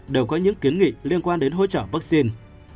đều có những kiến nghị liên quan đến hỗ trợ vaccine